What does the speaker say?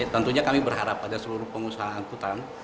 tentunya kami berharap pada seluruh pengusaha angkutan